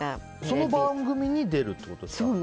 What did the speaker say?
その番組に出るってことですか。